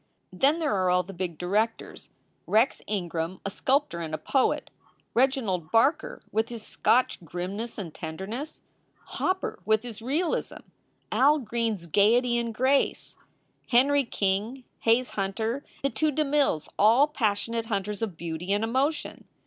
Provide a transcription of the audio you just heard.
Then there are all the big directors: Rex Ingram a sculptor and a poet; Reginald Barker with his Scotch grimness and tenderness; Hopper with his realism; Al Green s gayety and grace; Henry King, Hayes Hunter, the two De Milles all passionate hunters of beauty and emotion.